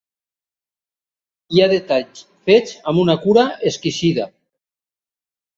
Hi ha detalls fets amb una cura exquisida.